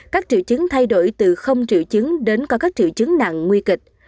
các triệu chứng thay đổi từ không triệu chứng đến có các triệu chứng nặng nguy kịch